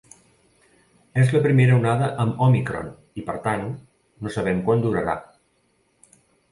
És la primera onada amb òmicron i, per tant, no sabem quant durarà.